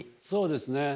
そうですね。